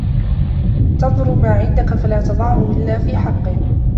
تَنْظُرْ مَا عِنْدَك فَلَا تَضَعْهُ إلَّا فِي حَقِّهِ